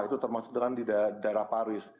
itu termasuk dalam daerah paris